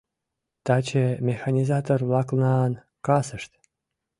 Таче механизатор-влакнан касышт.